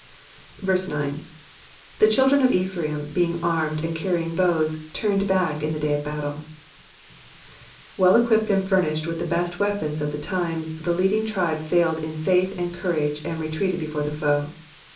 9. "T'^tf children of Ephraim, being armed^ and carrying hoies^ Utmed hack in the day of battle.'*'' Well equipped and furnished with the best weapons of the tinn s, the leading tribe failed in faith and coura^ and retreated before the foe.